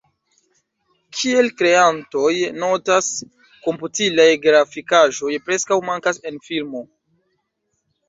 Kiel kreantoj notas, komputilaj grafikaĵoj preskaŭ mankas en filmo.